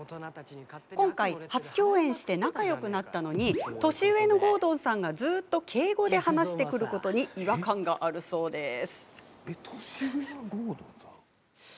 今回、初共演して仲よくなったのに年上の郷敦さんがずっと敬語で話してくることに違和感があるそうです。